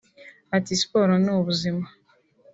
Ati “Siporo ni ubuzima